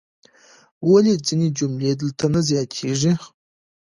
ولې ځینې جملې دلته نه زیاتیږي؟